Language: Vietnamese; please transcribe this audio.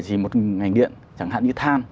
chỉ một ngành điện chẳng hạn như than